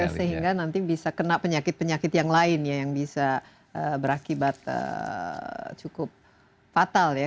sehingga nanti bisa kena penyakit penyakit yang lain ya yang bisa berakibat cukup fatal ya